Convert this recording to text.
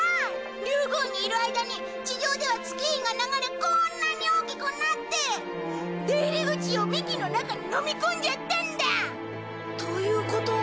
竜宮にいる間に地上では月日が流れこんなに大きくなって出入り口を幹の中にのみ込んじゃったんだ！ということは。